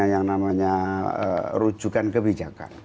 yang namanya rujukan kebijakan